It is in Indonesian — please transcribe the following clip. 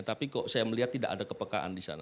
tapi kok saya melihat tidak ada kepekaan disana